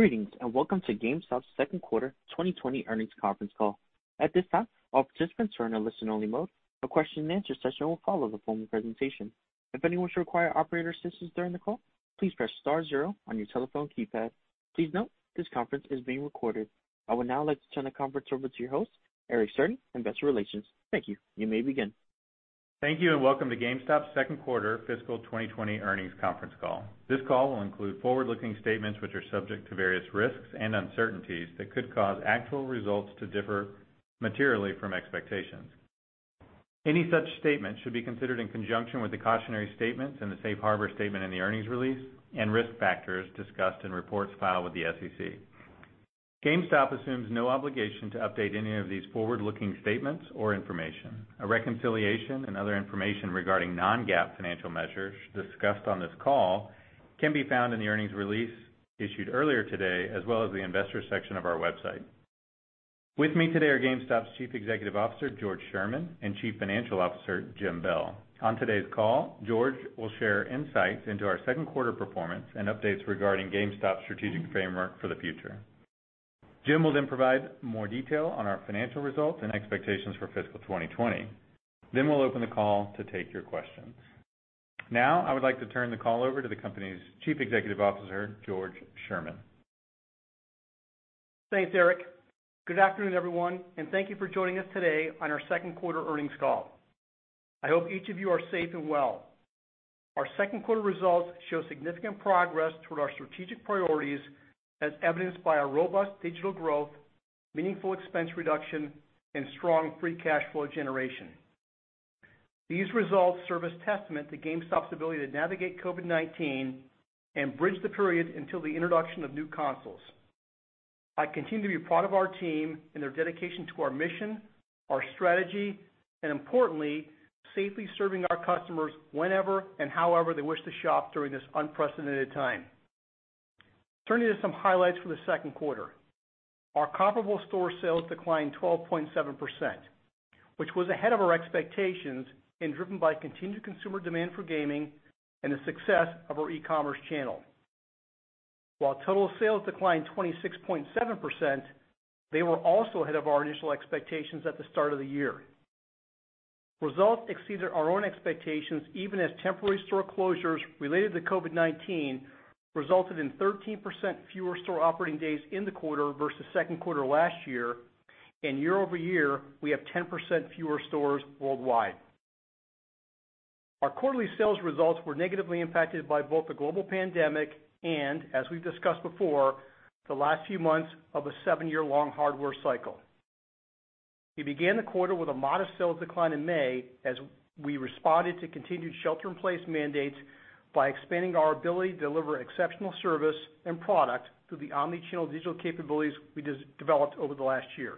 Greetings, welcome to GameStop's Second Quarter 2020 Earnings Conference call. At this time all participants are on listen-only mode, a question and answer session will follow after the presentation. If anyone should require an operator during this call, please press star zero on your telephone keypad. Please note that this conference is being recorded. I would now like to turn the conference over to your host, Eric Cerny, Investor Relations. Thank you. You may begin. Thank you. Welcome to GameStop's Second Quarter FY 2020 Earnings Conference Call. This call will include forward-looking statements which are subject to various risks and uncertainties that could cause actual results to differ materially from expectations. Any such statements should be considered in conjunction with the cautionary statements and the safe harbor statement in the earnings release and risk factors discussed in reports filed with the SEC. GameStop assumes no obligation to update any of these forward-looking statements or information. A reconciliation and other information regarding non-GAAP financial measures discussed on this call can be found in the earnings release issued earlier today, as well as the investor section of our website. With me today are GameStop's Chief Executive Officer, George Sherman, and Chief Financial Officer, Jim Bell. On today's call, George will share insights into our second quarter performance and updates regarding GameStop's strategic framework for the future. Jim will then provide more detail on our financial results and expectations for FY 2020. We'll open the call to take your questions. Now, I would like to turn the call over to the company's Chief Executive Officer, George Sherman. Thanks, Eric. Good afternoon, everyone, and thank you for joining us today on our second quarter earnings call. I hope each of you are safe and well. Our second quarter results show significant progress toward our strategic priorities, as evidenced by our robust digital growth, meaningful expense reduction, and strong free cash flow generation. These results serve as testament to GameStop's ability to navigate COVID-19 and bridge the period until the introduction of new consoles. I continue to be proud of our team and their dedication to our mission, our strategy, and importantly, safely serving our customers whenever and however they wish to shop during this unprecedented time. Turning to some highlights for the second quarter. Our comparable store sales declined 12.7%, which was ahead of our expectations and driven by continued consumer demand for gaming and the success of our e-commerce channel. While total sales declined 26.7%, they were also ahead of our initial expectations at the start of the year. Results exceeded our own expectations, even as temporary store closures related to COVID-19 resulted in 13% fewer store operating days in the quarter versus second quarter last year, and year-over-year, we have 10% fewer stores worldwide. Our quarterly sales results were negatively impacted by both the global pandemic and, as we've discussed before, the last few months of a seven-year-long hardware cycle. We began the quarter with a modest sales decline in May as we responded to continued shelter-in-place mandates by expanding our ability to deliver exceptional service and product through the omni-channel digital capabilities we developed over the last year.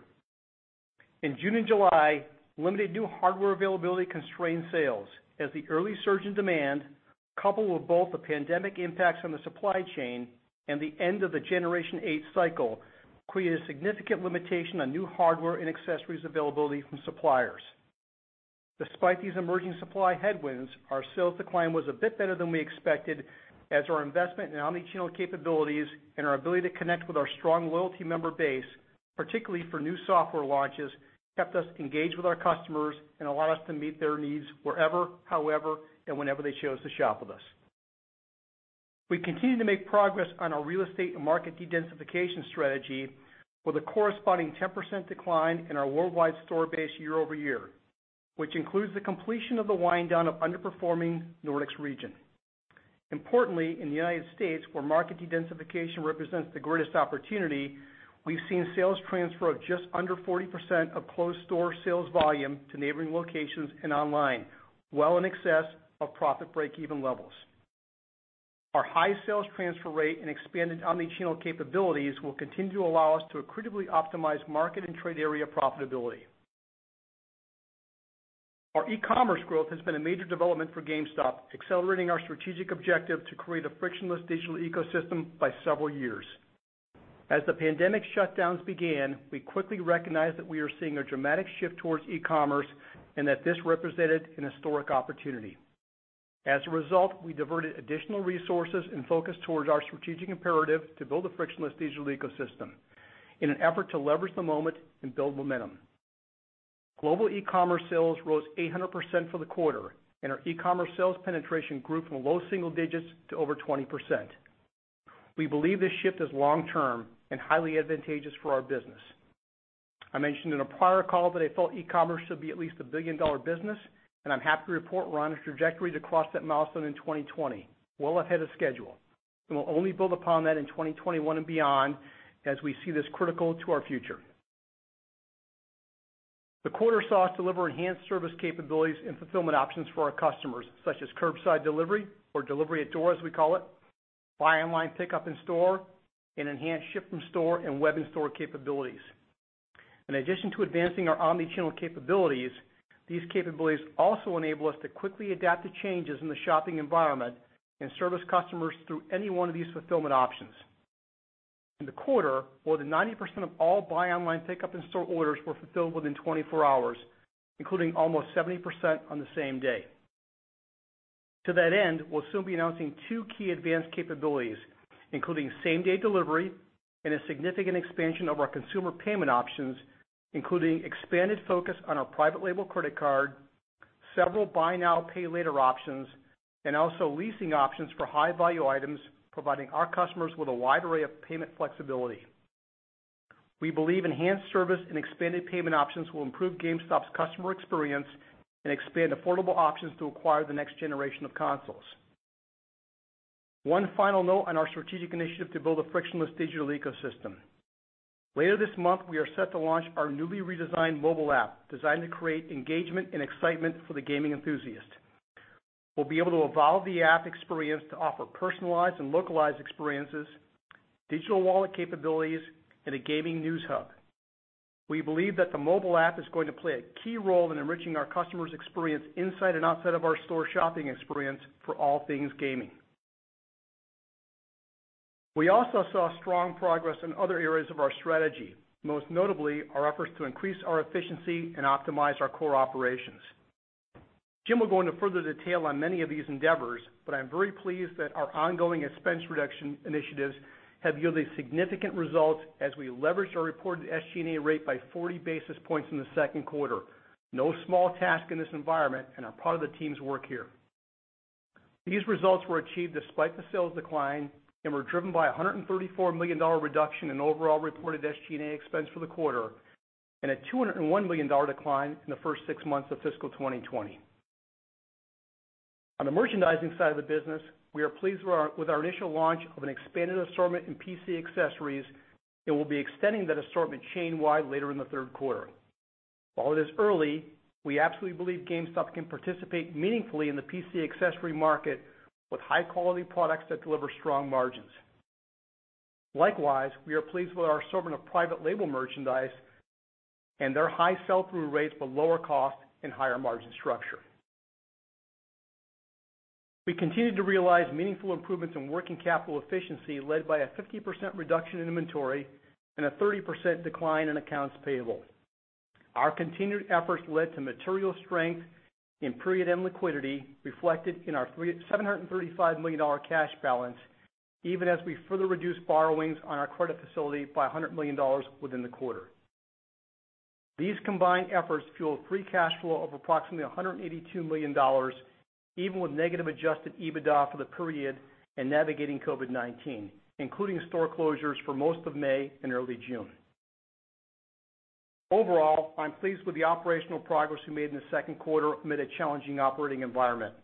In June and July, limited new hardware availability constrained sales as the early surge in demand, coupled with both the pandemic impacts on the supply chain and the end of the Generation 8 cycle, created a significant limitation on new hardware and accessories availability from suppliers. Despite these emerging supply headwinds, our sales decline was a bit better than we expected, as our investment in omni-channel capabilities and our ability to connect with our strong loyalty member base, particularly for new software launches, kept us engaged with our customers and allowed us to meet their needs wherever, however, and whenever they chose to shop with us. We continue to make progress on our real estate and market dedensification strategy with a corresponding 10% decline in our worldwide store base year-over-year, which includes the completion of the wind-down of underperforming Nordics region. Importantly, in the United States, where market dedensification represents the greatest opportunity, we've seen sales transfer of just under 40% of closed store sales volume to neighboring locations and online, well in excess of profit breakeven levels. Our high sales transfer rate and expanded omni-channel capabilities will continue to allow us to accretively optimize market and trade area profitability. Our e-commerce growth has been a major development for GameStop, accelerating our strategic objective to create a frictionless digital ecosystem by several years. As the pandemic shutdowns began, we quickly recognized that we were seeing a dramatic shift towards e-commerce and that this represented an historic opportunity. As a result, we diverted additional resources and focus towards our strategic imperative to build a frictionless digital ecosystem in an effort to leverage the moment and build momentum. Global e-commerce sales rose 800% for the quarter, and our e-commerce sales penetration grew from low single digits to over 20%. We believe this shift is long-term and highly advantageous for our business. I mentioned in a prior call that I felt e-commerce should be at least a billion-dollar business, and I'm happy to report we're on a trajectory to cross that milestone in 2020, well ahead of schedule. We'll only build upon that in 2021 and beyond, as we see this critical to our future. The quarter saw us deliver enhanced service capabilities and fulfillment options for our customers, such as curbside delivery or delivery at door, as we call it, buy online pickup in store, and enhanced ship from store and web-in-store capabilities. In addition to advancing our omni-channel capabilities, these capabilities also enable us to quickly adapt to changes in the shopping environment and service customers through any one of these fulfillment options. In the quarter, more than 90% of all buy online pickup in-store orders were fulfilled within 24 hours, including almost 70% on the same day. To that end, we'll soon be announcing two key advanced capabilities, including same-day delivery and a significant expansion of our consumer payment options, including expanded focus on our private label credit card, several buy now, pay later options, and also leasing options for high-value items, providing our customers with a wide array of payment flexibility. We believe enhanced service and expanded payment options will improve GameStop's customer experience and expand affordable options to acquire the next generation of consoles. One final note on our strategic initiative to build a frictionless digital ecosystem. Later this month, we are set to launch our newly redesigned mobile app, designed to create engagement and excitement for the gaming enthusiast. We'll be able to evolve the app experience to offer personalized and localized experiences, digital wallet capabilities, and a gaming news hub. We believe that the mobile app is going to play a key role in enriching our customer's experience inside and outside of our store shopping experience for all things gaming. We also saw strong progress in other areas of our strategy, most notably our efforts to increase our efficiency and optimize our core operations. Jim will go into further detail on many of these endeavors, but I'm very pleased that our ongoing expense reduction initiatives have yielded significant results as we leveraged our reported SG&A rate by 40 basis points in the second quarter. No small task in this environment and are part of the team's work here. These results were achieved despite the sales decline and were driven by a $134 million reduction in overall reported SG&A expense for the quarter, and a $201 million decline in the first six months of FY 2020. On the merchandising side of the business, we are pleased with our initial launch of an expanded assortment in PC accessories, and we'll be extending that assortment chain-wide later in the third quarter. While it is early, we absolutely believe GameStop can participate meaningfully in the PC accessory market with high-quality products that deliver strong margins. Likewise, we are pleased with our assortment of private label merchandise and their high sell-through rates, but lower cost and higher margin structure. We continue to realize meaningful improvements in working capital efficiency, led by a 50% reduction in inventory and a 30% decline in accounts payable. Our continued efforts led to material strength in period-end liquidity reflected in our $735 million cash balance, even as we further reduced borrowings on our credit facility by $100 million within the quarter. These combined efforts fueled free cash flow of approximately $182 million, even with negative adjusted EBITDA for the period and navigating COVID-19, including store closures for most of May and early June. Overall, I'm pleased with the operational progress we made in the second quarter amid a challenging operating environment.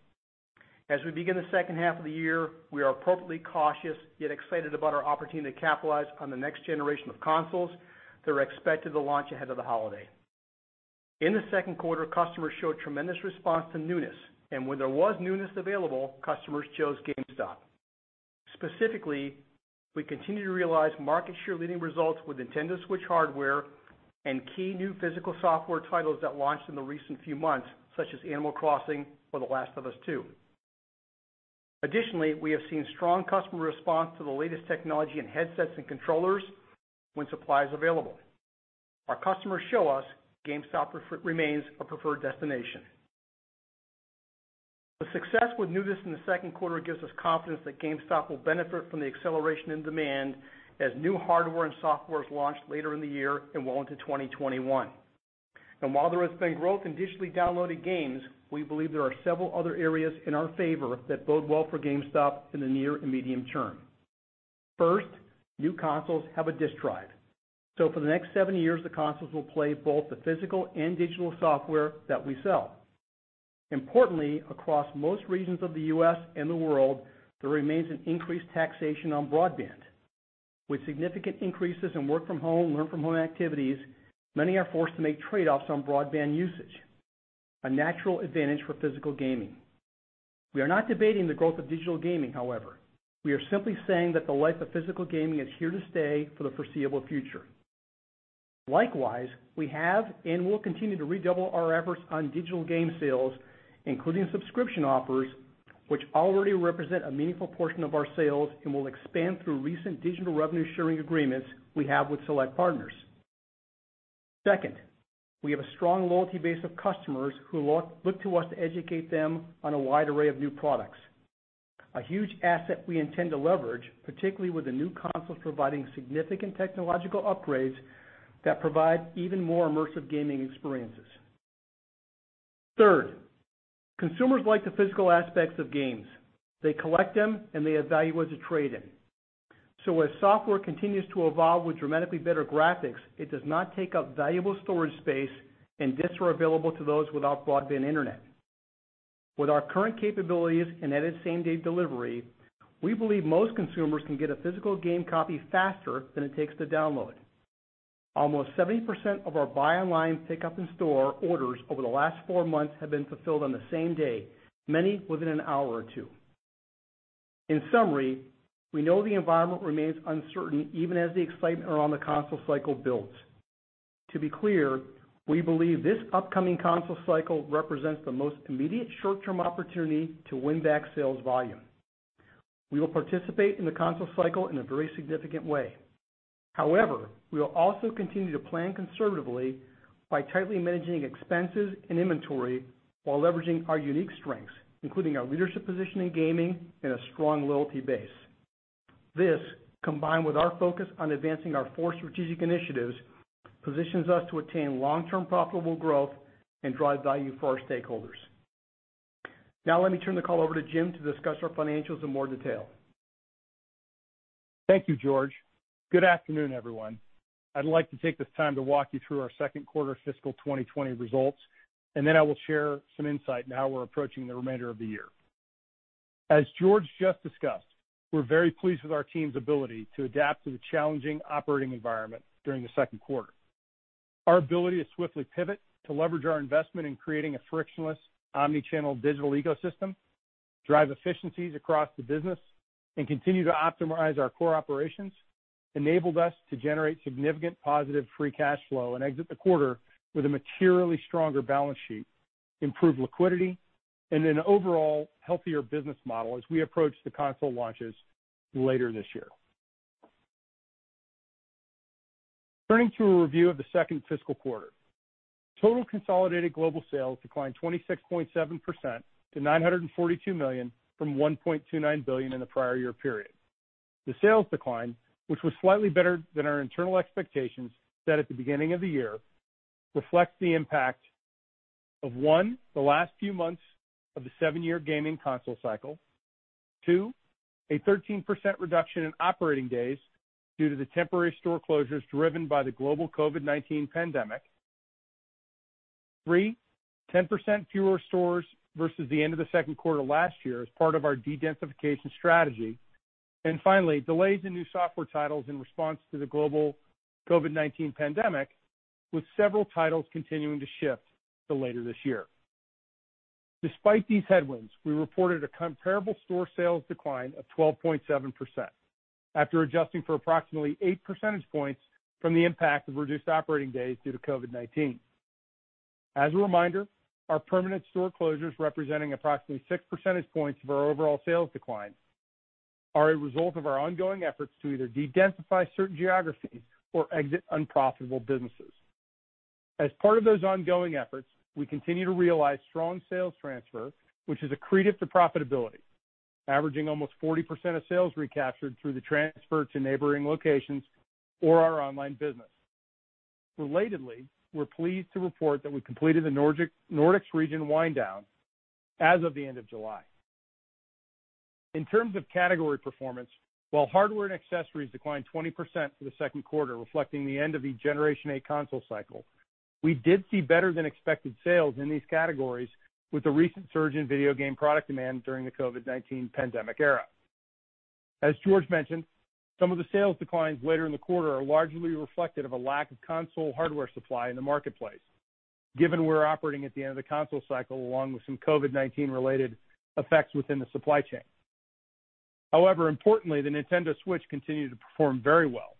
As we begin the second half of the year, we are appropriately cautious, yet excited about our opportunity to capitalize on the next generation of consoles that are expected to launch ahead of the holiday. In the second quarter, customers showed tremendous response to newness, and where there was newness available, customers chose GameStop. Specifically, we continue to realize market share leading results with Nintendo Switch hardware and key new physical software titles that launched in the recent few months, such as Animal Crossing or The Last of Us Part II. Additionally, we have seen strong customer response to the latest technology in headsets and controllers when supply is available. Our customers show us GameStop remains a preferred destination. The success with newness in the second quarter gives us confidence that GameStop will benefit from the acceleration in demand as new hardware and software is launched later in the year and well into 2021. While there has been growth in digitally downloaded games, we believe there are several other areas in our favor that bode well for GameStop in the near and medium term. First, new consoles have a disc drive. For the next seven years, the consoles will play both the physical and digital software that we sell. Importantly, across most regions of the U.S. and the world, there remains an increased taxation on broadband. With significant increases in work from home, learn from home activities, many are forced to make trade-offs on broadband usage, a natural advantage for physical gaming. We are not debating the growth of digital gaming, however. We are simply saying that the life of physical gaming is here to stay for the foreseeable future. Likewise, we have and will continue to redouble our efforts on digital game sales, including subscription offers, which already represent a meaningful portion of our sales and will expand through recent digital revenue-sharing agreements we have with select partners. We have a strong loyalty base of customers who look to us to educate them on a wide array of new products. A huge asset we intend to leverage, particularly with the new consoles providing significant technological upgrades that provide even more immersive gaming experiences. Consumers like the physical aspects of games. They collect them, they have value as a trade-in. As software continues to evolve with dramatically better graphics, it does not take up valuable storage space and discs are available to those without broadband internet. With our current capabilities and added same-day delivery, we believe most consumers can get a physical game copy faster than it takes to download. Almost 70% of our buy online pickup in-store orders over the last four months have been fulfilled on the same day, many within an hour or two. In summary, we know the environment remains uncertain even as the excitement around the console cycle builds. To be clear, we believe this upcoming console cycle represents the most immediate short-term opportunity to win back sales volume. We will participate in the console cycle in a very significant way. However, we will also continue to plan conservatively by tightly managing expenses and inventory while leveraging our unique strengths, including our leadership position in gaming and a strong loyalty base. This, combined with our focus on advancing our four strategic initiatives, positions us to attain long-term profitable growth and drive value for our stakeholders. Now let me turn the call over to Jim to discuss our financials in more detail. Thank you, George. Good afternoon, everyone. I'd like to take this time to walk you through our second quarter FY 2020 results. Then I will share some insight on how we're approaching the remainder of the year. As George just discussed, we're very pleased with our team's ability to adapt to the challenging operating environment during the second quarter. Our ability to swiftly pivot to leverage our investment in creating a frictionless omni-channel digital ecosystem, drive efficiencies across the business, and continue to optimize our core operations, enabled us to generate significant positive free cash flow and exit the quarter with a materially stronger balance sheet, improved liquidity, and an overall healthier business model as we approach the console launches later this year. Turning to a review of the second fiscal quarter. Total consolidated global sales declined 26.7% to $942 million from $1.29 billion in the prior year period. The sales decline, which was slightly better than our internal expectations set at the beginning of the year, reflects the impact of, one, the last few months of the seven-year gaming console cycle, two, a 13% reduction in operating days due to the temporary store closures driven by the global COVID-19 pandemic, three, 10% fewer stores versus the end of the second quarter last year as part of our de-densification strategy, and finally, delays in new software titles in response to the global COVID-19 pandemic, with several titles continuing to shift to later this year. Despite these headwinds, we reported a comparable store sales decline of 12.7% after adjusting for approximately eight percentage points from the impact of reduced operating days due to COVID-19. As a reminder, our permanent store closures representing approximately six percentage points of our overall sales decline are a result of our ongoing efforts to either de-densify certain geographies or exit unprofitable businesses. As part of those ongoing efforts, we continue to realize strong sales transfer, which is accretive to profitability, averaging almost 40% of sales recaptured through the transfer to neighboring locations or our online business. Relatedly, we're pleased to report that we completed the Nordics region wind down as of the end of July. In terms of category performance, while hardware and accessories declined 20% for the second quarter, reflecting the end of a Generation 8 console cycle, we did see better than expected sales in these categories with the recent surge in video game product demand during the COVID-19 pandemic era. As George mentioned, some of the sales declines later in the quarter are largely reflective of a lack of console hardware supply in the marketplace, given we're operating at the end of the console cycle, along with some COVID-19-related effects within the supply chain. However, importantly, the Nintendo Switch continued to perform very well,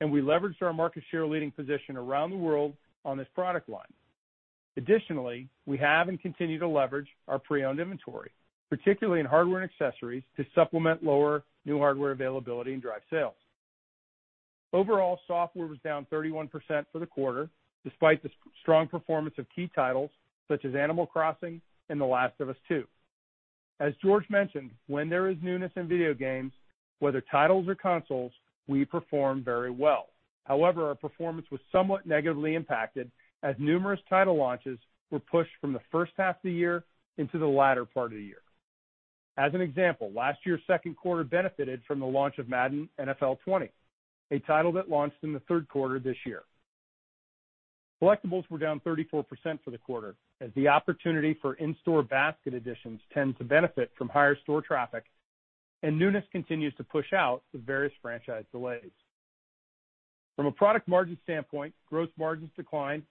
and we leveraged our market share leading position around the world on this product line. Additionally, we have and continue to leverage our pre-owned inventory, particularly in hardware and accessories, to supplement lower new hardware availability and drive sales. Overall, software was down 31% for the quarter, despite the strong performance of key titles such as Animal Crossing and The Last of Us Part II. As George mentioned, when there is newness in video games, whether titles or consoles, we perform very well. However, our performance was somewhat negatively impacted as numerous title launches were pushed from the first half of the year into the latter part of the year. As an example, last year's second quarter benefited from the launch of Madden NFL 20, a title that launched in the third quarter this year. Collectibles were down 34% for the quarter as the opportunity for in-store basket additions tend to benefit from higher store traffic and newness continues to push out the various franchise delays. From a product margin standpoint, gross margins declined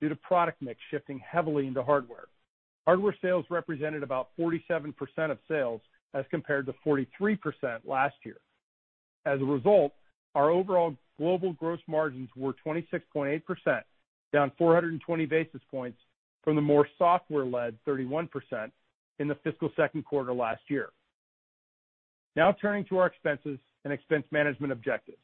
due to product mix shifting heavily into hardware. Hardware sales represented about 47% of sales as compared to 43% last year. As a result, our overall global gross margins were 26.8%, down 420 basis points from the more software-led 31% in the fiscal second quarter last year. Now turning to our expenses and expense management objectives.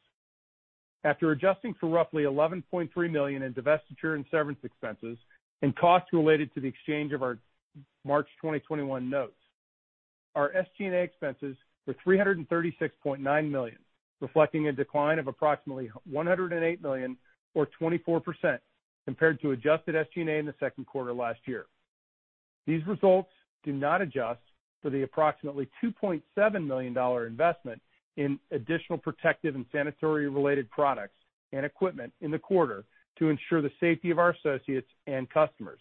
After adjusting for roughly $11.3 million in divestiture and severance expenses and costs related to the exchange of our March 2021 notes, our SG&A expenses were $336.9 million, reflecting a decline of approximately $108 million or 24% compared to adjusted SG&A in the second quarter last year. These results do not adjust for the approximately $2.7 million investment in additional protective and sanitary-related products and equipment in the quarter to ensure the safety of our associates and customers.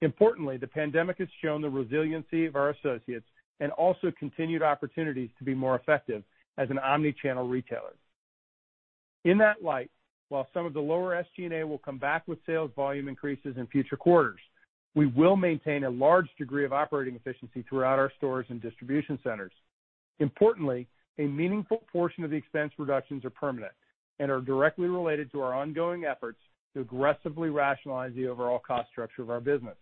Importantly, the pandemic has shown the resiliency of our associates and also continued opportunities to be more effective as an omni-channel retailer. In that light, while some of the lower SG&A will come back with sales volume increases in future quarters, we will maintain a large degree of operating efficiency throughout our stores and distribution centers. Importantly, a meaningful portion of the expense reductions are permanent and are directly related to our ongoing efforts to aggressively rationalize the overall cost structure of our business.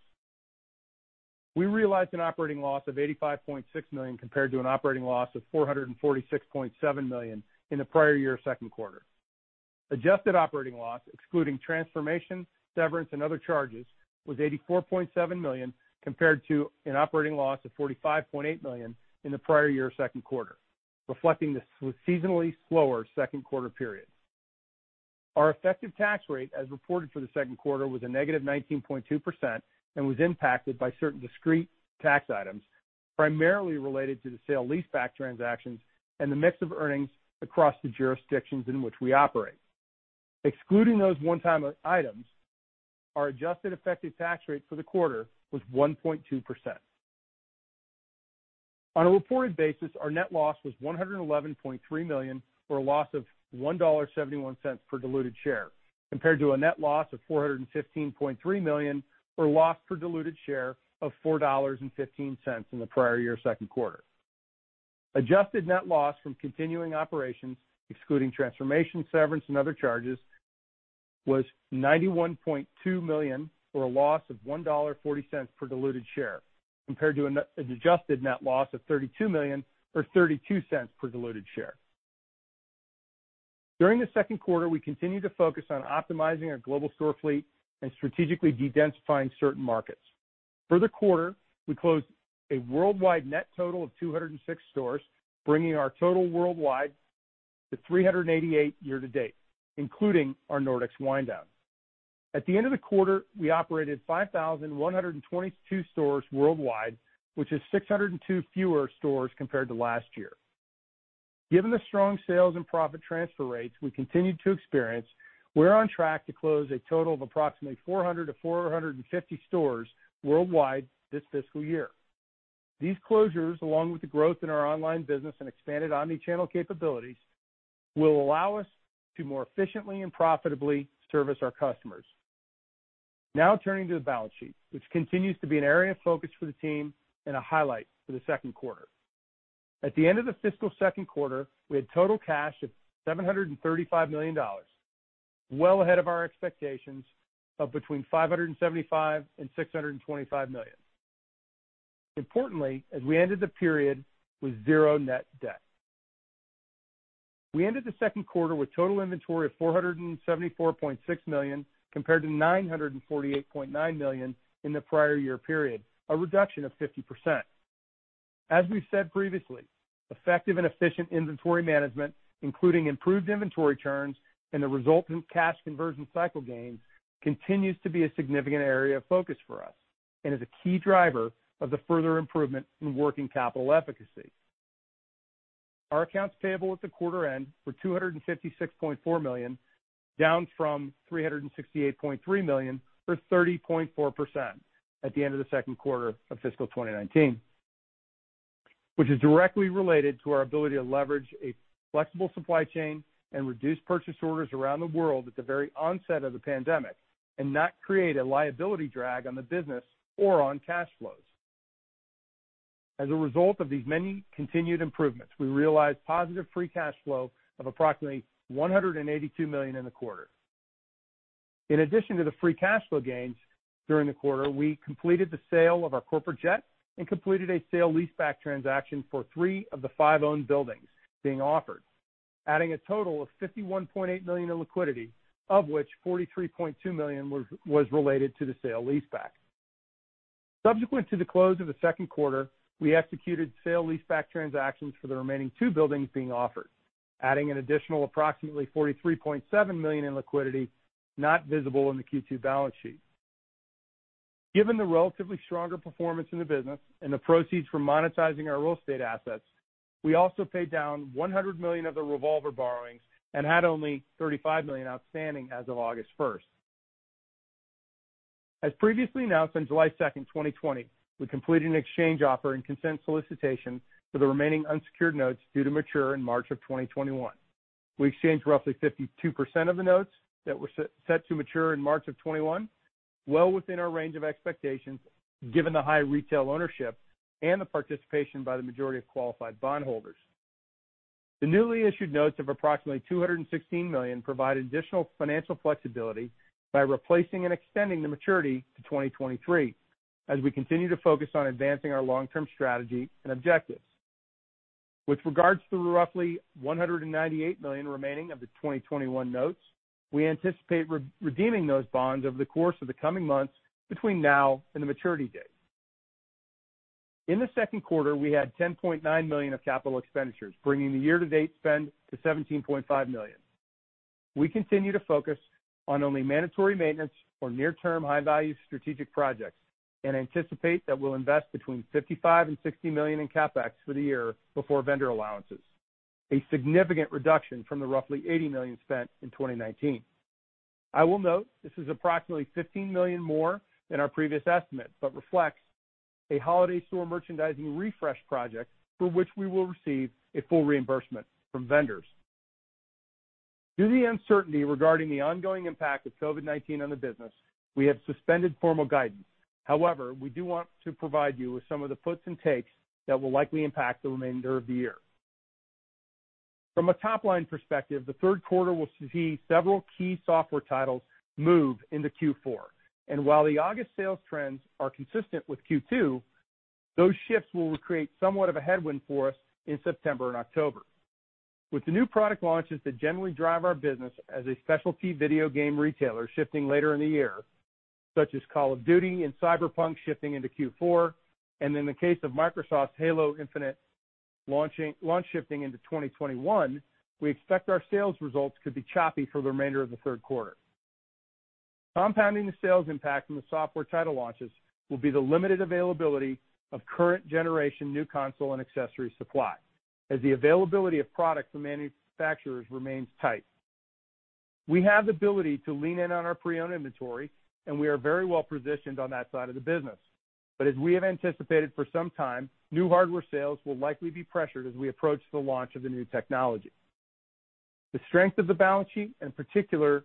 We realized an operating loss of $85.6 million compared to an operating loss of $446.7 million in the prior year second quarter. Adjusted operating loss, excluding transformation, severance and other charges, was $84.7 million compared to an operating loss of $45.8 million in the prior year second quarter, reflecting the seasonally slower second quarter period. Our effective tax rate, as reported for the second quarter, was a negative 19.2% and was impacted by certain discrete tax items, primarily related to the sale leaseback transactions and the mix of earnings across the jurisdictions in which we operate. Excluding those one-time items, our adjusted effective tax rate for the quarter was 1.2%. On a reported basis, our net loss was $111.3 million, or a loss of $1.71 per diluted share, compared to a net loss of $415.3 million, or loss per diluted share of $4.15 in the prior year second quarter. Adjusted net loss from continuing operations, excluding transformation, severance and other charges, was $91.2 million, or a loss of $1.40 per diluted share, compared to an adjusted net loss of $32 million or $0.32 per diluted share. During the second quarter, we continued to focus on optimizing our global store fleet and strategically de-densifying certain markets. For the quarter, we closed a worldwide net total of 206 stores, bringing our total worldwide to 388 year to date, including our Nordics wind down. At the end of the quarter, we operated 5,122 stores worldwide, which is 602 fewer stores compared to last year. Given the strong sales and profit transfer rates we continued to experience, we're on track to close a total of approximately 400 to 450 stores worldwide this fiscal year. These closures, along with the growth in our online business and expanded omni-channel capabilities, will allow us to more efficiently and profitably service our customers. Now turning to the balance sheet, which continues to be an area of focus for the team and a highlight for the second quarter. At the end of the fiscal second quarter, we had total cash of $735 million, well ahead of our expectations of between $575 million and $625 million. Importantly, as we ended the period with zero net debt. We ended the second quarter with total inventory of $474.6 million, compared to $948.9 million in the prior year period, a reduction of 50%. As we've said previously, effective and efficient inventory management, including improved inventory turns and the resultant cash conversion cycle gains, continues to be a significant area of focus for us and is a key driver of the further improvement in working capital efficacy. Our accounts payable at the quarter end were $256.4 million, down from $368.3 million, or 30.4% at the end of the second quarter of FY 2019, which is directly related to our ability to leverage a flexible supply chain and reduce purchase orders around the world at the very onset of the pandemic and not create a liability drag on the business or on cash flows. As a result of these many continued improvements, we realized positive free cash flow of approximately $182 million in the quarter. In addition to the free cash flow gains during the quarter, we completed the sale of our corporate jet and completed a sale leaseback transaction for three of the five owned buildings being offered, adding a total of $51.8 million in liquidity, of which $43.2 million was related to the sale leaseback. Subsequent to the close of the second quarter, we executed sale leaseback transactions for the remaining two buildings being offered, adding an additional approximately $43.7 million in liquidity not visible in the Q2 balance sheet. Given the relatively stronger performance in the business and the proceeds from monetizing our real estate assets, we also paid down $100 million of the revolver borrowings and had only $35 million outstanding as of August 1st. As previously announced on July 2nd, 2020, we completed an exchange offer and consent solicitation for the remaining unsecured notes due to mature in March of 2021. We exchanged roughly 52% of the notes that were set to mature in March of 2021, well within our range of expectations given the high retail ownership and the participation by the majority of qualified bondholders. The newly issued notes of approximately $216 million provide additional financial flexibility by replacing and extending the maturity to 2023 as we continue to focus on advancing our long-term strategy and objectives. With regards to the roughly $198 million remaining of the 2021 notes, we anticipate redeeming those bonds over the course of the coming months between now and the maturity date. In the second quarter, we had $10.9 million of capital expenditures, bringing the year-to-date spend to $17.5 million. We continue to focus on only mandatory maintenance or near-term high-value strategic projects and anticipate that we'll invest between $55 million and $60 million in CapEx for the year before vendor allowances, a significant reduction from the roughly $80 million spent in 2019. I will note this is approximately $15 million more than our previous estimate but reflects a holiday store merchandising refresh project for which we will receive a full reimbursement from vendors. Due to the uncertainty regarding the ongoing impact of COVID-19 on the business, we have suspended formal guidance. We do want to provide you with some of the puts and takes that will likely impact the remainder of the year. From a top-line perspective, the third quarter will see several key software titles move into Q4. While the August sales trends are consistent with Q2, those shifts will create somewhat of a headwind for us in September and October. With the new product launches that generally drive our business as a specialty video game retailer shifting later in the year, such as Call of Duty and Cyberpunk shifting into Q4, and in the case of Microsoft's Halo Infinite launch shifting into 2021, we expect our sales results could be choppy for the remainder of the third quarter. Compounding the sales impact from the software title launches will be the limited availability of current generation new console and accessory supply, as the availability of product from manufacturers remains tight. We have the ability to lean in on our pre-owned inventory, and we are very well-positioned on that side of the business. As we have anticipated for some time, new hardware sales will likely be pressured as we approach the launch of the new technology. The strength of the balance sheet, and in particular,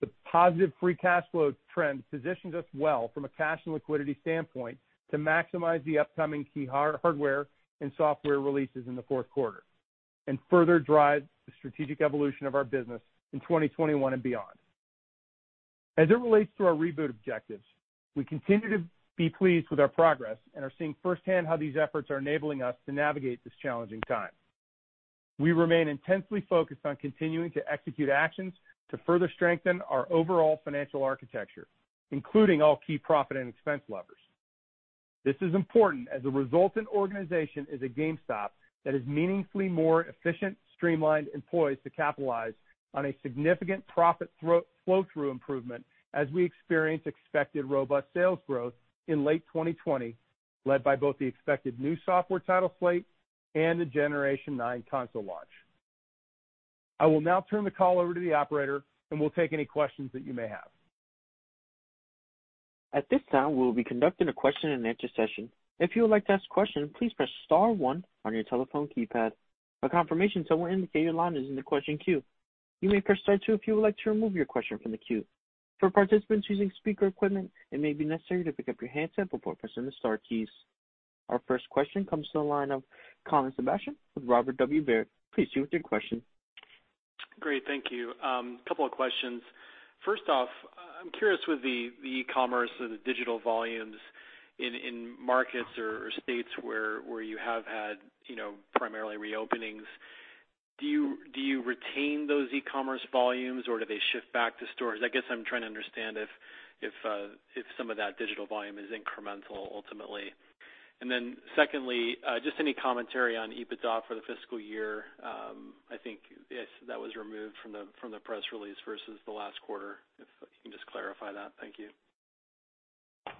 the positive free cash flow trend, positions us well from a cash and liquidity standpoint to maximize the upcoming key hardware and software releases in the fourth quarter and further drive the strategic evolution of our business in 2021 and beyond. As it relates to our reboot objectives, we continue to be pleased with our progress and are seeing firsthand how these efforts are enabling us to navigate this challenging time. We remain intensely focused on continuing to execute actions to further strengthen our overall financial architecture, including all key profit and expense levers. This is important as the resultant organization is a GameStop that is meaningfully more efficient, streamlined, and poised to capitalize on a significant profit flow-through improvement as we experience expected robust sales growth in late 2020, led by both the expected new software title slate and the Generation 9 console launch. I will now turn the call over to the operator, and we'll take any questions that you may have. At this time, we'll be conducting a questions and answer session. If you would like to ask a question, please press star one on your telephone keypad, a confirmation tone will indicate your line is in the question queue. You may press a star two if you would like to remove your question from the queue. Participants using speaker equipment, it may be necessary to pick up your handset before pressing the star keys. Our first question comes to the line of Colin Sebastian with Robert W. Baird. Please proceed with your question. Great. Thank you. Couple of questions. First off, I'm curious with the e-commerce or the digital volumes in markets or states where you have had primarily reopenings, do you retain those e-commerce volumes or do they shift back to stores? I guess I'm trying to understand if some of that digital volume is incremental ultimately. Secondly, just any commentary on EBITDA for the fiscal year. I think that was removed from the press release versus the last quarter. If you can just clarify that. Thank you.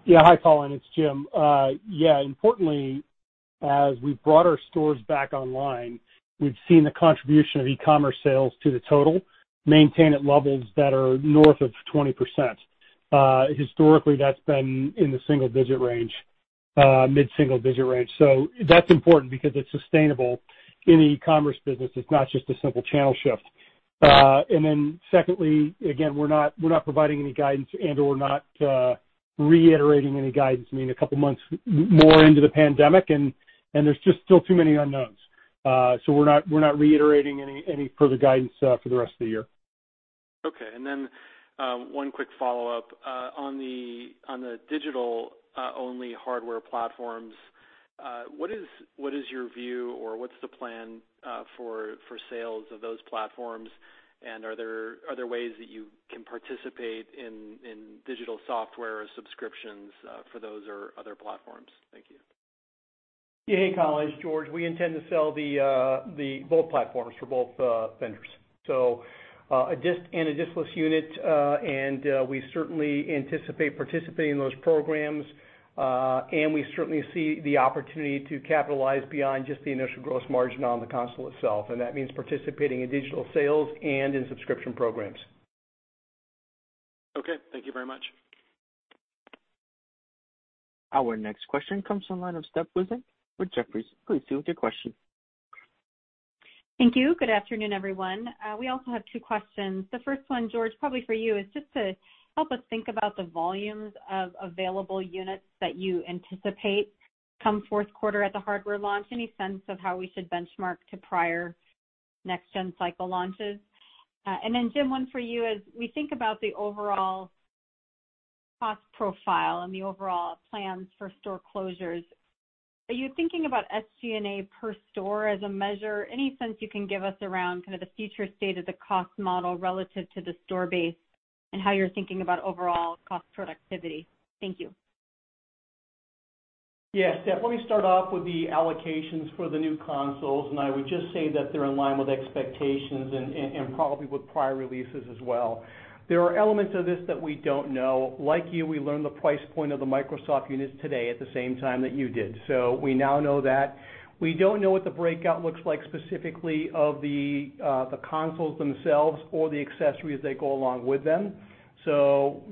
Yeah. Hi, Colin. It's Jim. Importantly, as we've brought our stores back online, we've seen the contribution of e-commerce sales to the total maintain at levels that are north of 20%. Historically, that's been in the single-digit range, mid-single-digit range. That's important because it's sustainable in e-commerce business. It's not just a simple channel shift. Secondly, again, we're not providing any guidance and/or not reiterating any guidance. I mean, a couple of months more into the pandemic, and there's just still too many unknowns. We're not reiterating any further guidance for the rest of the year. Okay. One quick follow-up. On the digital-only hardware platforms, what is your view or what's the plan for sales of those platforms? Are there ways that you can participate in digital software or subscriptions for those or other platforms? Thank you. Yeah. Hey, Colin. It's George. We intend to sell both platforms for both vendors. A disc and a disc-less unit, and we certainly anticipate participating in those programs. We certainly see the opportunity to capitalize beyond just the initial gross margin on the console itself, and that means participating in digital sales and in subscription programs. Okay. Thank you very much. Our next question comes from the line of Stephanie Wissink with Jefferies. Please proceed with your question. Thank you. Good afternoon, everyone. We also have two questions. The first one, George, probably for you, is just to help us think about the volumes of available units that you anticipate come fourth quarter at the hardware launch. Any sense of how we should benchmark to prior next-gen cycle launches? Then Jim, one for you. As we think about the overall cost profile and the overall plans for store closures, are you thinking about SG&A per store as a measure? Any sense you can give us around the future state of the cost model relative to the store base and how you're thinking about overall cost productivity? Thank you. Steph, let me start off with the allocations for the new consoles, I would just say that they're in line with expectations and probably with prior releases as well. There are elements of this that we don't know. Like you, we learned the price point of the Microsoft units today at the same time that you did. We now know that. We don't know what the breakout looks like specifically of the consoles themselves or the accessories that go along with them.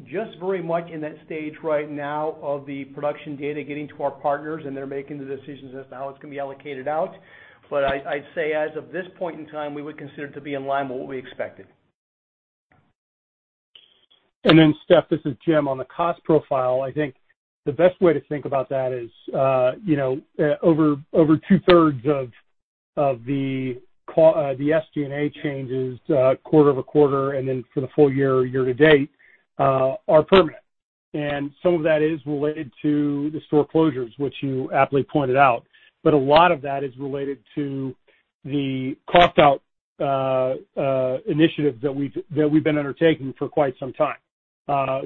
Just very much in that stage right now of the production data getting to our partners, they're making the decisions as to how it's going to be allocated out. I'd say as of this point in time, we would consider it to be in line with what we expected. Steph, this is Jim on the cost profile. I think the best way to think about that is, over two-thirds of the SG&A changes quarter-over-quarter, for the full year-to-date, are permanent. Some of that is related to the store closures, which you aptly pointed out. A lot of that is related to the cost-out initiative that we've been undertaking for quite some time.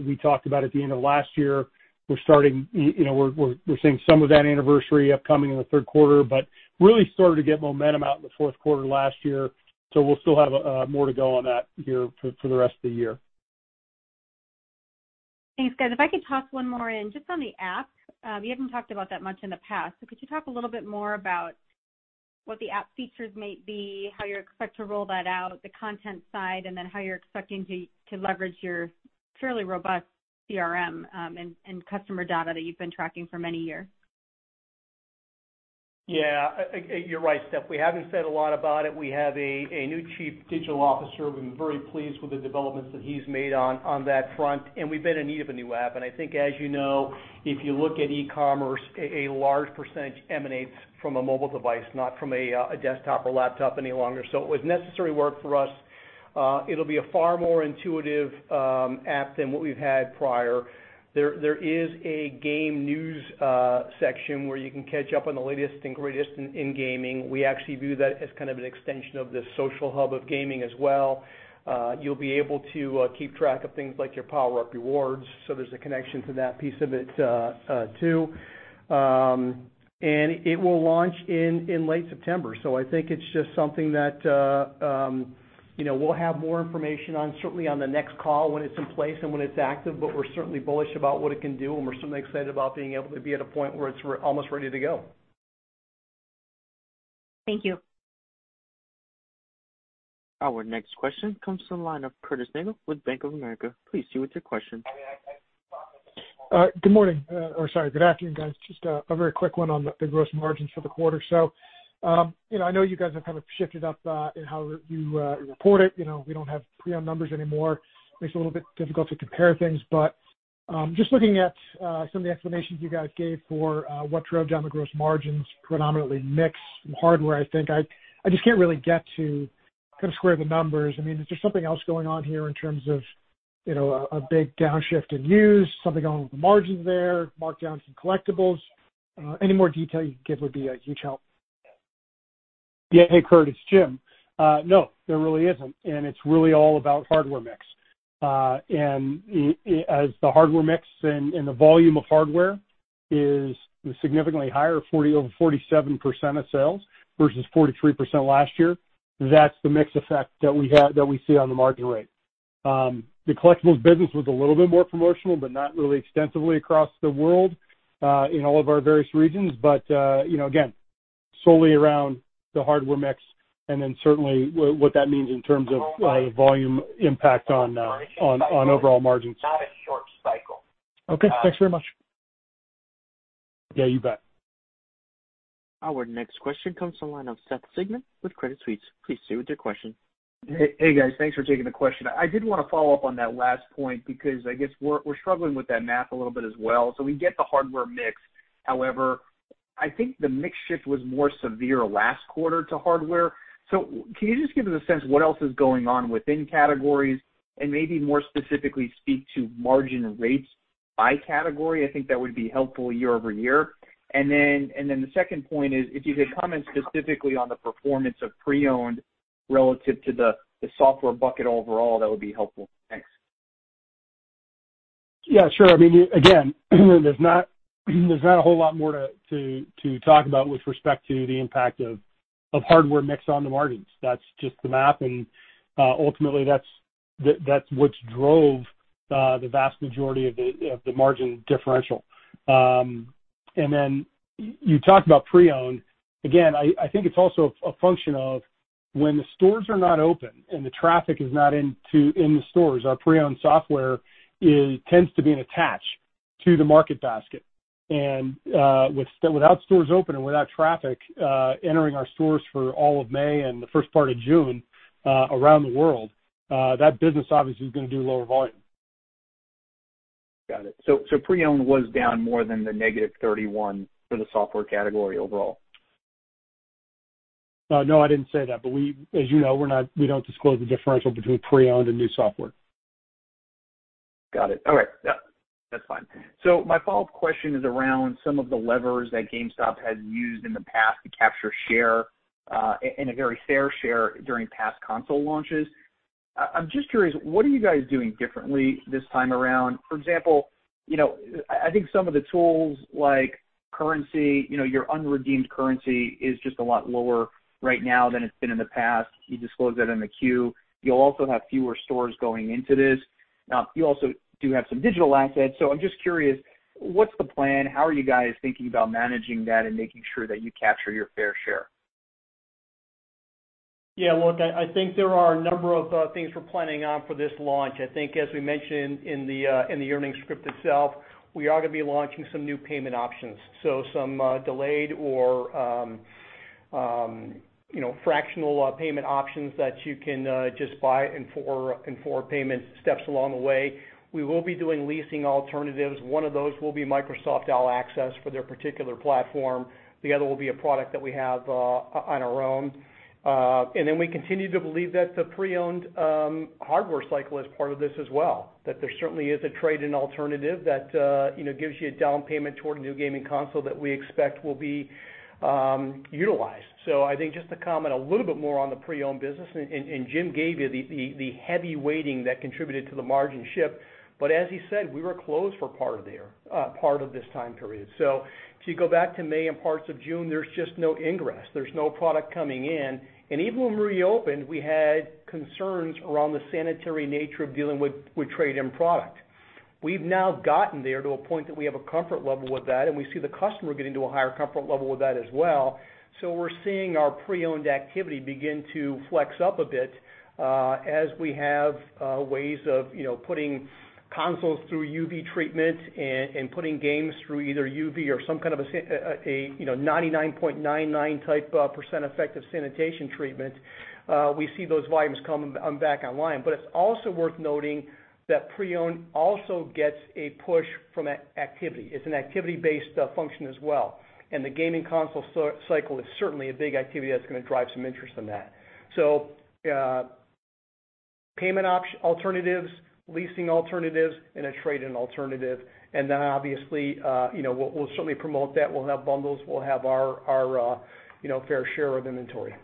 We talked about at the end of last year, we're seeing some of that anniversary upcoming in the third quarter, but really started to get momentum out in the fourth quarter last year. We'll still have more to go on that here for the rest of the year. Thanks, guys. If I could toss one more in just on the app. You haven't talked about that much in the past. Could you talk a little bit more about what the app features might be, how you expect to roll that out, the content side, and then how you're expecting to leverage your fairly robust CRM, and customer data that you've been tracking for many years? Yeah, you're right, Steph. We haven't said a lot about it. We have a new chief digital officer. We've been very pleased with the developments that he's made on that front, and we've been in need of a new app. I think, as you know, if you look at e-commerce, a large percentage emanates from a mobile device, not from a desktop or laptop any longer. It was necessary work for us. It'll be a far more intuitive app than what we've had prior. There is a game news section where you can catch up on the latest and greatest in gaming. We actually view that as kind of an extension of the social hub of gaming as well. You'll be able to keep track of things like your PowerUp Rewards. There's a connection to that piece of it, too. It will launch in late September. I think it's just something that we'll have more information on, certainly on the next call when it's in place and when it's active, but we're certainly bullish about what it can do, and we're certainly excited about being able to be at a point where it's almost ready to go. Thank you. Our next question comes from the line of Curtis Nagle with Bank of America. Please proceed with your question. Good morning, or sorry, good afternoon, guys. Just a very quick one on the gross margins for the quarter. I know you guys have kind of shifted up in how you report it. We don't have pre-owned numbers anymore. Makes it a little bit difficult to compare things. Just looking at some of the explanations you guys gave for what drove down the gross margins, predominantly mix hardware, I think I just can't really get to kind of square the numbers. I mean, is there something else going on here in terms of a big downshift in used, something going on with the margins there, markdowns in collectibles? Any more detail you can give would be a huge help. Yeah. Hey, Curtis, Jim. No, there really isn't, and it's really all about hardware mix. As the hardware mix and the volume of hardware is significantly higher, over 47% of sales versus 43% last year. That's the mix effect that we see on the margin rate. The collectibles business was a little bit more promotional, but not really extensively across the world, in all of our various regions. Again, solely around the hardware mix and then certainly what that means in terms of volume impact on overall margins. Okay, thanks very much. Yeah, you bet. Our next question comes from the line of Seth Sigman with Credit Suisse. Please stay with your question. Hey, guys. Thanks for taking the question. I did want to follow up on that last point because I guess we're struggling with that math a little bit as well. We get the hardware mix. However, I think the mix shift was more severe last quarter to hardware. Can you just give us a sense what else is going on within categories and maybe more specifically speak to margin rates by category? I think that would be helpful year-over-year. The second point is if you could comment specifically on the performance of pre-owned relative to the software bucket overall, that would be helpful. Thanks. Yeah, sure. I mean, again, there's not a whole lot more to talk about with respect to the impact of hardware mix on the margins. That's just the math, and ultimately, that's what's drove the vast majority of the margin differential. Then you talked about pre-owned. Again, I think it's also a function of when the stores are not open and the traffic is not in the stores. Our pre-owned software tends to be an attach to the market basket. And, without stores open and without traffic entering our stores for all of May and the first part of June around the world, that business obviously is going to do lower volume. Got it. Pre-owned was down more than the -31% for the software category overall. No, I didn't say that, but as you know, we don't disclose the differential between pre-owned and new software. Got it. All right. Yeah, that's fine. My follow-up question is around some of the levers that GameStop has used in the past to capture share, and a very fair share during past console launches. I'm just curious, what are you guys doing differently this time around? For example, I think some of the tools like currency, your unredeemed currency is just a lot lower right now than it's been in the past. You disclosed that in the Q. You also have fewer stores going into this. Now, you also do have some digital assets. I'm just curious, what's the plan? How are you guys thinking about managing that and making sure that you capture your fair share. Yeah, look, I think there are a number of things we're planning on for this launch. I think as we mentioned in the earnings script itself, we are going to be launching some new payment options. Some delayed or fractional payment options that you can just buy in four payment steps along the way. We will be doing leasing alternatives. One of those will be Microsoft All Access for their particular platform. The other will be a product that we have on our own. We continue to believe that the pre-owned hardware cycle is part of this as well. There certainly is a trade-in alternative that gives you a down payment toward a new gaming console that we expect will be utilized. I think just to comment a little bit more on the pre-owned business, Jim gave you the heavy weighting that contributed to the margin shift. As he said, we were closed for part of this time period. If you go back to May and parts of June, there's just no ingress. There's no product coming in. Even when we reopened, we had concerns around the sanitary nature of dealing with trade-in product. We've now gotten there to a point that we have a comfort level with that, and we see the customer getting to a higher comfort level with that as well. We're seeing our pre-owned activity begin to flex up a bit, as we have ways of putting consoles through UV treatment and putting games through either UV or some kind of a 99.99 type percent effective sanitation treatment. We see those volumes come back online. It's also worth noting that pre-owned also gets a push from activity. It's an activity-based function as well. The gaming console cycle is certainly a big activity that's going to drive some interest in that. Payment alternatives, leasing alternatives, and a trade-in alternative. Then obviously, we'll certainly promote that. We'll have bundles, we'll have our fair share of inventory.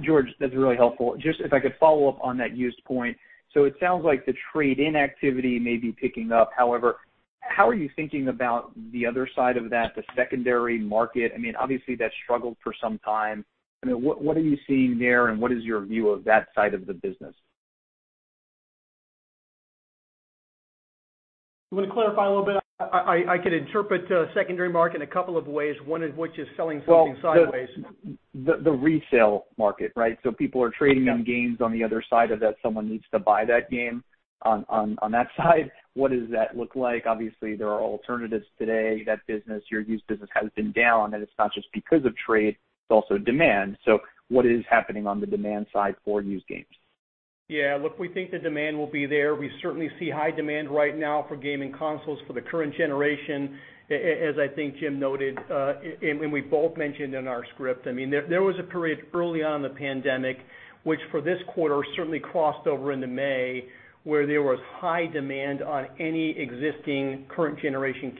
George, that's really helpful. Just if I could follow up on that used point. It sounds like the trade-in activity may be picking up. However, how are you thinking about the other side of that, the secondary market? Obviously, that struggled for some time. What are you seeing there, and what is your view of that side of the business? You want to clarify a little bit? I could interpret secondary market in a couple of ways, one of which is selling something sideways. The resale market, right? People are trading in games. On the other side of that, someone needs to buy that game. On that side, what does that look like? Obviously, there are alternatives today. That business, your used business, has been down, and it's not just because of trade, it's also demand. What is happening on the demand side for used games? Yeah, look, we think the demand will be there. We certainly see high demand right now for gaming consoles for the current generation, as I think Jim noted, and we both mentioned in our script. There was a period early on in the pandemic, which for this quarter certainly crossed over into May, where there was high demand on any existing current generation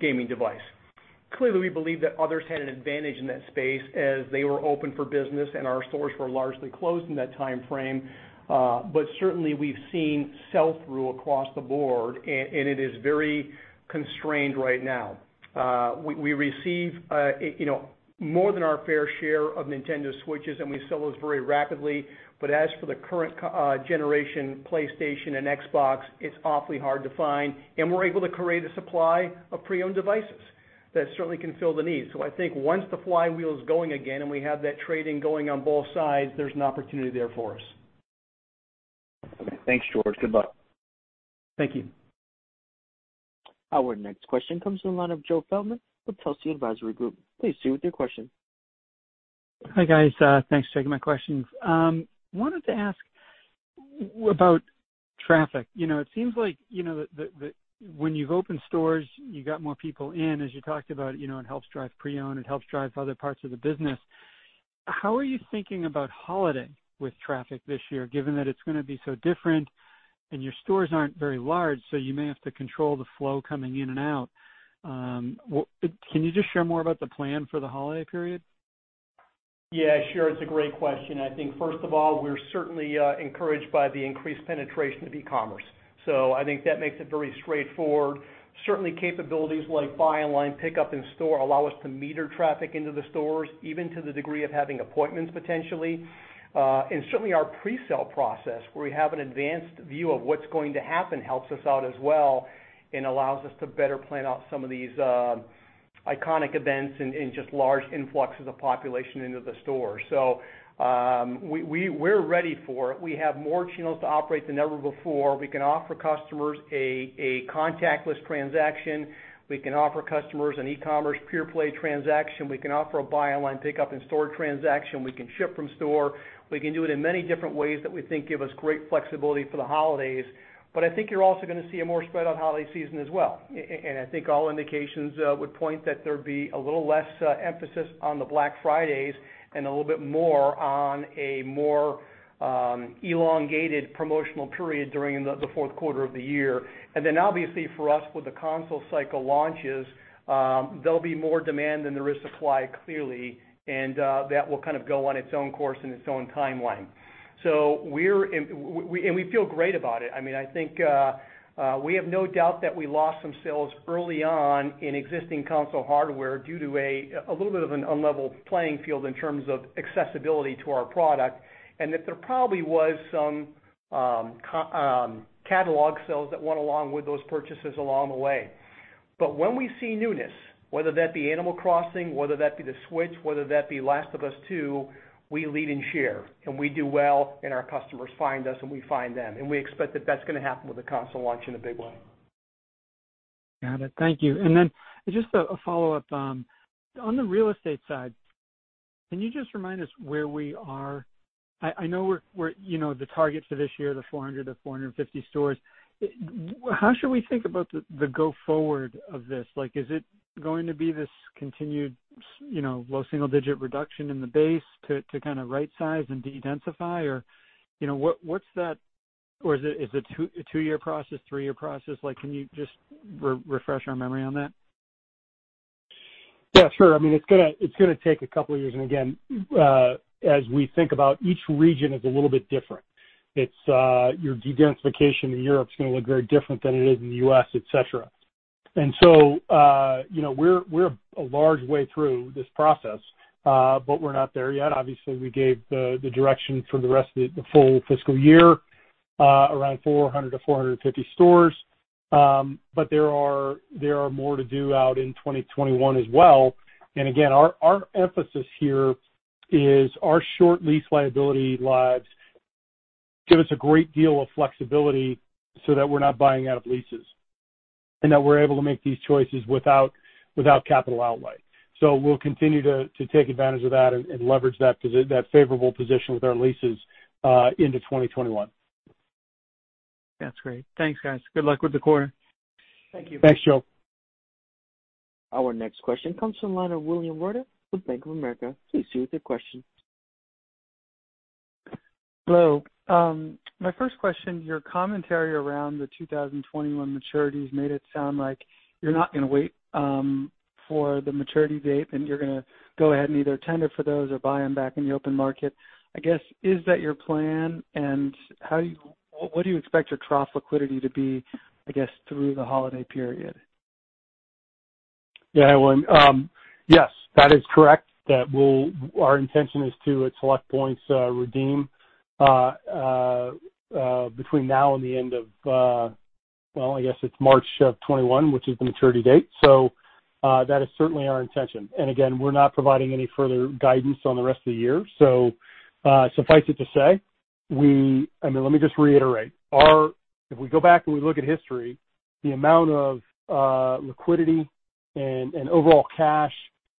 gaming device. Clearly, we believe that others had an advantage in that space as they were open for business and our stores were largely closed in that timeframe. Certainly, we've seen sell-through across the board, and it is very constrained right now. We receive more than our fair share of Nintendo Switch, and we sell those very rapidly. As for the current generation PlayStation and Xbox, it's awfully hard to find, and we're able to create a supply of pre-owned devices that certainly can fill the need. I think once the flywheel is going again and we have that trading going on both sides, there's an opportunity there for us. Okay. Thanks, George. Good luck. Thank you. Our next question comes from the line of Joe Feldman with Telsey Advisory Group. Please proceed with your question. Hi, guys. Thanks for taking my questions. Wanted to ask about traffic. It seems like that when you've opened stores, you got more people in, as you talked about, it helps drive pre-owned, it helps drive other parts of the business. How are you thinking about holiday with traffic this year, given that it's going to be so different and your stores aren't very large, so you may have to control the flow coming in and out? Can you just share more about the plan for the holiday period? Yeah, sure. It's a great question. I think, first of all, we're certainly encouraged by the increased penetration of e-commerce. I think that makes it very straightforward. Certainly capabilities like buy online, pick up in store allow us to meter traffic into the stores, even to the degree of having appointments potentially. Certainly our pre-sale process, where we have an advanced view of what's going to happen, helps us out as well and allows us to better plan out some of these iconic events and just large influxes of population into the store. We're ready for it. We have more channels to operate than ever before. We can offer customers a contactless transaction. We can offer customers an e-commerce pure play transaction. We can offer a buy online pick up in store transaction. We can ship from store. We can do it in many different ways that we think give us great flexibility for the holidays. I think you're also going to see a more spread out holiday season as well. I think all indications would point that there'd be a little less emphasis on the Black Fridays and a little bit more on a more elongated promotional period during the fourth quarter of the year. Obviously for us, with the console cycle launches, there'll be more demand than there is supply, clearly, and that will kind of go on its own course and its own timeline. We feel great about it. I think we have no doubt that we lost some sales early on in existing console hardware due to a little bit of an unlevel playing field in terms of accessibility to our product, and that there probably was some catalog sales that went along with those purchases along the way. When we see newness, whether that be Animal Crossing, whether that be the Switch, whether that be The Last of Us Part II, we lead and share, and we do well, and our customers find us, and we find them, and we expect that that's going to happen with the console launch in a big way. Got it. Thank you. Just a follow-up. On the real estate side, can you just remind us where we are? I know the target for this year, the 400-450 stores. How should we think about the go forward of this? Is it going to be this continued low single digit reduction in the base to right size and dedensify? Is it a two-year process, three-year process? Can you just refresh our memory on that? Yeah, sure. It's going to take a couple of years, again, as we think about each region is a little bit different. Your dedensification in Europe is going to look very different than it is in the U.S., et cetera. We're a large way through this process, but we're not there yet. Obviously, we gave the direction for the rest of the full fiscal year, around 400 to 450 stores. There are more to do out in 2021 as well. Again, our emphasis here is our short lease liability lives give us a great deal of flexibility so that we're not buying out of leases, and that we're able to make these choices without capital outlay. We'll continue to take advantage of that and leverage that favorable position with our leases into 2021. That's great. Thanks, guys. Good luck with the quarter. Thank you. Thanks, Joe. Our next question comes from the line of William Wartell with Bank of America. Please proceed with your question. Hello. My first question, your commentary around the 2021 maturities made it sound like you're not going to wait for the maturity date, and you're going to go ahead and either tender for those or buy them back in the open market. I guess, is that your plan? What do you expect your trough liquidity to be, I guess, through the holiday period? Yeah. Yes, that is correct, that our intention is to, at select points, redeem between now and the end of, well, I guess it's March of 2021, which is the maturity date. That is certainly our intention. Again, we're not providing any further guidance on the rest of the year. Suffice it to say, let me just reiterate. If we go back and we look at history, the amount of liquidity and overall cash,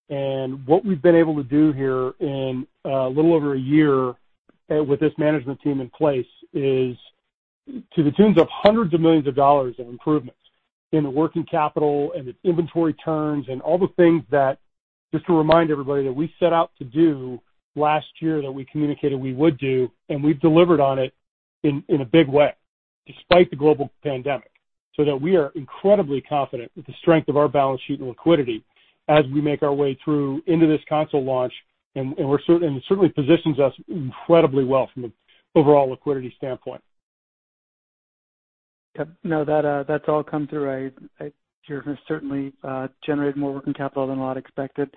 and what we've been able to do here in a little over a year with this management team in place is to the tunes of hundreds of millions dollars in improvements in the working capital and its inventory turns and all the things that, just to remind everybody, that we set out to do last year that we communicated we would do, and we've delivered on it in a big way, despite the global pandemic. That we are incredibly confident with the strength of our balance sheet and liquidity as we make our way through into this console launch, and it certainly positions us incredibly well from the overall liquidity standpoint. No, that's all come through. You're certainly generating more working capital than a lot expected.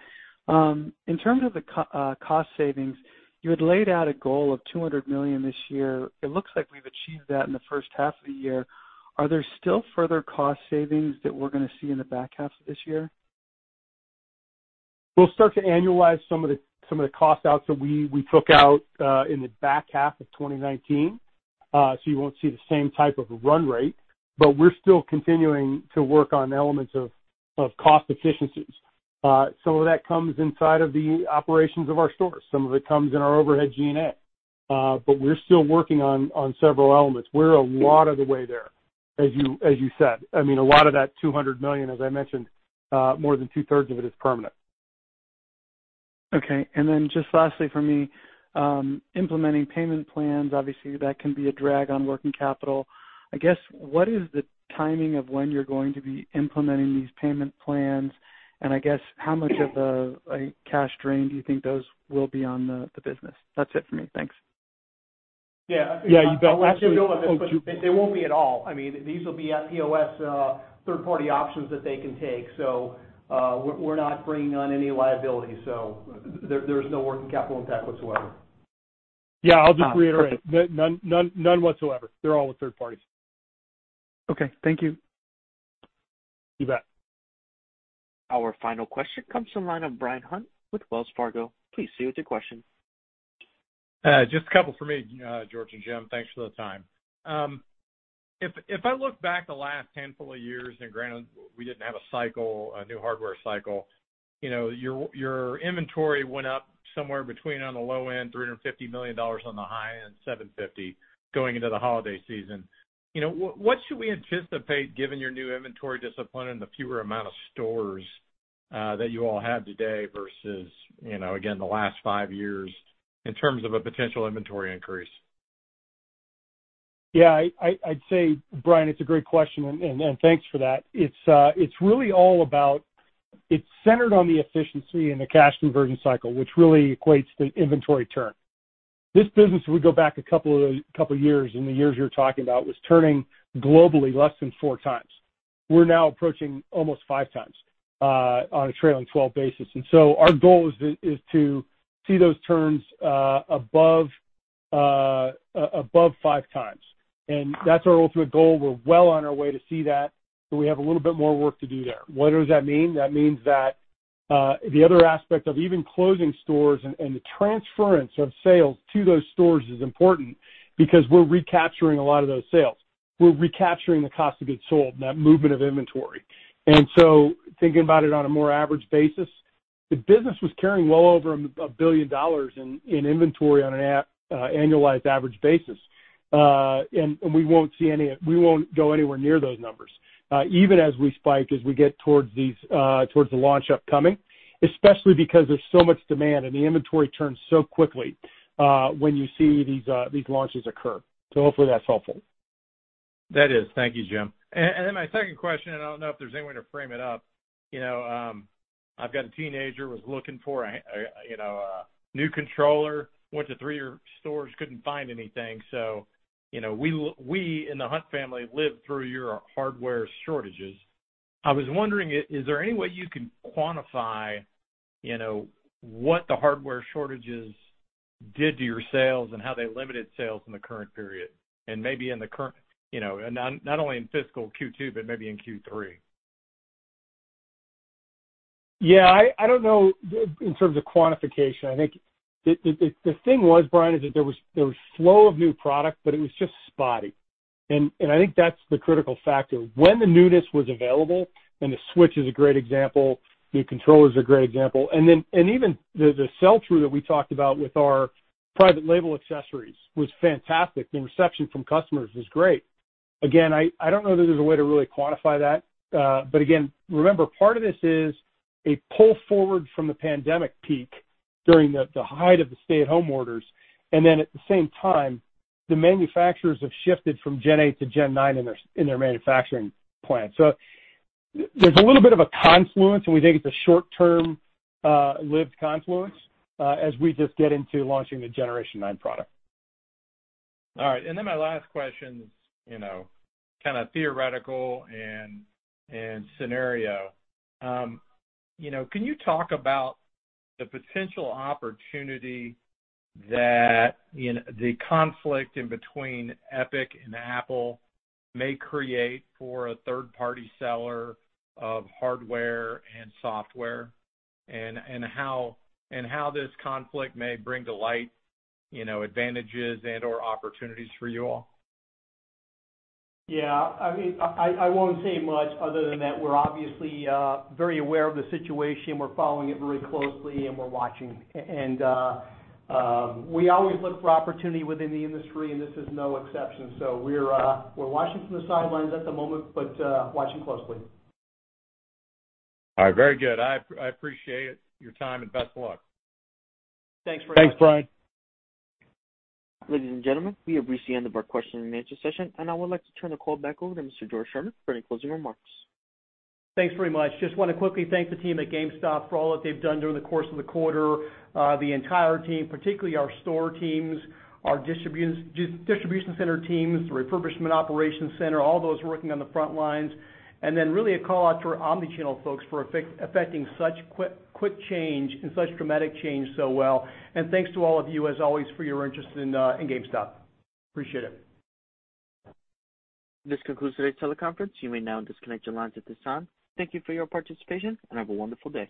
In terms of the cost savings, you had laid out a goal of $200 million this year. It looks like we've achieved that in the first half of the year. Are there still further cost savings that we're going to see in the back half of this year? We'll start to annualize some of the cost outs that we took out in the back half of 2019. You won't see the same type of run rate, but we're still continuing to work on elements of cost efficiencies. Some of that comes inside of the operations of our stores. Some of it comes in our overhead G&A. We're still working on several elements. We're a lot of the way there, as you said. A lot of that $200 million, as I mentioned, more than two-thirds of it is permanent. Okay. Just lastly from me, implementing payment plans, obviously, that can be a drag on working capital. I guess, what is the timing of when you're going to be implementing these payment plans? I guess how much of a cash drain do you think those will be on the business? That's it for me. Thanks. Yeah. I'll let Jim go on this, but they won't be at all. These will be at POS third-party options that they can take. We're not bringing on any liability, so there's no working capital impact whatsoever. Yeah, I'll just reiterate. None whatsoever. They're all with third parties. Okay. Thank you. You bet. Our final question comes from the line of Brian Hunt with Wells Fargo. Please proceed with your question. Just a couple from me, George and Jim. Thanks for the time. If I look back the last handful of years, and granted, we didn't have a cycle, a new hardware cycle, your inventory went up somewhere between on the low end, $350 million, on the high end, $750 million, going into the holiday season. What should we anticipate given your new inventory discipline and the fewer amount of stores that you all have today versus, again, the last five years in terms of a potential inventory increase? Yeah, I'd say, Brian, it's a great question, and thanks for that. It's centered on the efficiency and the cash conversion cycle, which really equates to inventory turn. This business, if we go back a couple of years, in the years you're talking about, was turning globally less than 4x. We're now approaching almost five times on a trailing 12 basis. Our goal is to see those turns above 5x. That's our ultimate goal. We're well on our way to see that, but we have a little bit more work to do there. What does that mean? The other aspect of even closing stores and the transference of sales to those stores is important because we're recapturing a lot of those sales. We're recapturing the cost of goods sold and that movement of inventory. Thinking about it on a more average basis, the business was carrying well over $1 billion in inventory on an annualized average basis. We won't go anywhere near those numbers. Even as we spike, as we get towards the launch upcoming, especially because there's so much demand and the inventory turns so quickly, when you see these launches occur. Hopefully that's helpful. That is. Thank you, Jim. Then my second question, and I don't know if there's any way to frame it up. I've got a teenager who was looking for a new controller, went to three of your stores, couldn't find anything. We, in the Hunt family, lived through your hardware shortages. I was wondering, is there any way you can quantify what the hardware shortages did to your sales and how they limited sales in the current period? Not only in fiscal Q2, but maybe in Q3. Yeah, I don't know in terms of quantification. I think the thing was, Brian, is that there was flow of new product, but it was just spotty. I think that's the critical factor. When the newness was available, and the Switch is a great example, new controller is a great example, and even the sell-through that we talked about with our private label accessories was fantastic. The reception from customers was great. Again, I don't know that there's a way to really quantify that. Again, remember, part of this is a pull forward from the pandemic peak during the height of the stay-at-home orders, and then at the same time, the manufacturers have shifted from Gen 8 to Gen 9 in their manufacturing plant. There's a little bit of a confluence, and we think it's a short-term lived confluence, as we just get into launching the Generation 9 product. All right. My last question is kind of theoretical and scenario. Can you talk about the potential opportunity that the conflict in between Epic and Apple may create for a third-party seller of hardware and software? How this conflict may bring to light advantages and/or opportunities for you all? Yeah, I won't say much other than that we're obviously very aware of the situation. We're following it very closely, and we're watching. We always look for opportunity within the industry, and this is no exception. We're watching from the sidelines at the moment, but watching closely. All right. Very good. I appreciate your time and best of luck. Thanks Brian. Thanks, Brian. Ladies and gentlemen, we have reached the end of our question and answer session. I would like to turn the call back over to Mr. George Sherman for any closing remarks. Thanks very much. Just want to quickly thank the team at GameStop for all that they've done during the course of the quarter. The entire team, particularly our store teams, our distribution center teams, the refurbishment operations center, all those working on the front lines. Really a call-out to our omni-channel folks for effecting such quick change and such dramatic change so well. Thanks to all of you, as always, for your interest in GameStop. Appreciate it. This concludes today's teleconference. You may now disconnect your lines at this time. Thank you for your participation, and have a wonderful day.